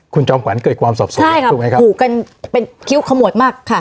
คุณจอมขวัญเกิดความสอบสวนถูกไหมครับถูกกันเป็นคิ้วขมวดมากค่ะ